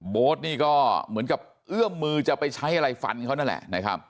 โบ๊ทนี่ก็เหมือนกับเอื้อมมือจะไปใช้อะไรฟันเขานั่นแหละนะครับ